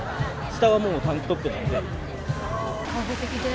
下はもうタンクトップなんで。